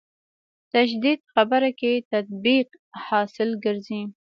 تجدید خبره کې تطبیق حاصل ګرځي.